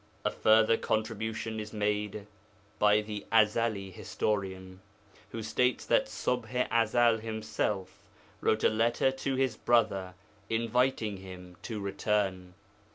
A further contribution is made by the Ezeli historian, who states that Ṣubḥ i Ezel himself wrote a letter to his brother, inviting him to return.